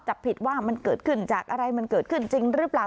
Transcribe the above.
จับผิดว่ามันเกิดขึ้นจากอะไรมันเกิดขึ้นจริงหรือเปล่า